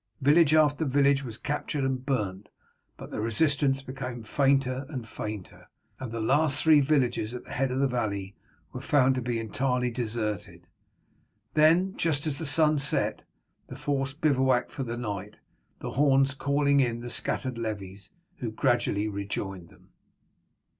Village after village was captured and burnt, but the resistance became fainter and fainter, and the last three villages at the head of the valley were found to be entirely deserted. Then, just as the sun set, the force bivouacked for the night, the horns calling in the scattered levies, who gradually rejoined them.